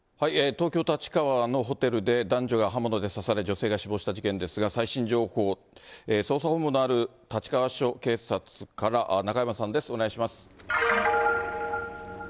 東京・立川のホテルで、男女が刃物で刺され女性が死亡した事件ですが、最新情報、捜査本部のある立川署警察から中山さんです、お願いします。